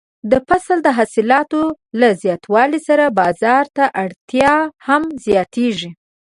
د فصل د حاصلاتو له زیاتوالي سره بازار ته اړتیا هم زیاتیږي.